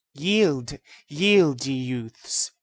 Yield, yield, ye youths!